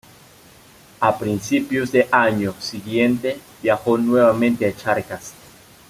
A principios del año siguiente viajó nuevamente a Charcas.